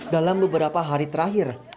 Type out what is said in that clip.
dalam beberapa hari terakhir